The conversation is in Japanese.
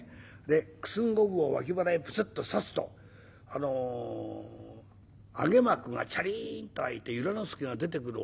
九寸五分を脇腹へプスッと刺すと揚幕がチャリンと開いて由良之助が出てくる。